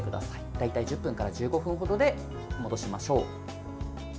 大体１０分から１５分程で戻しましょう。